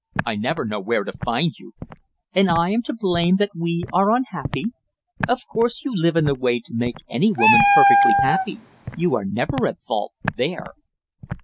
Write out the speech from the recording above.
I never know where to find you!" "And I am to blame that we are unhappy? Of course you live in a way to make any woman perfectly happy you are never at fault there!"